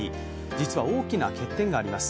実は大きな欠点があります。